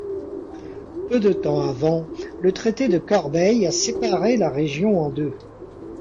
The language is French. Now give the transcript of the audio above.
Peu de temps avant, le traité de Corbeil a séparé la région en deux.